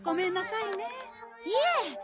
いえ。